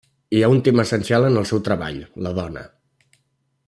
Hi ha un tema essencial en el seu treball: la dona.